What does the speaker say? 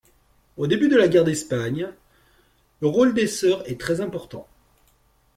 Au début de la guerre d'Espagne, le rôle des sœurs est très important.